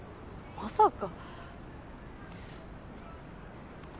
まさか。